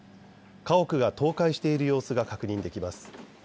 家屋が倒壊している様子が確認できます。